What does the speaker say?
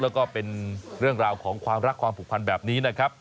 แล้วก็เป็นเรื่องราวของความรักความผูกพันแบบนี้นะครับ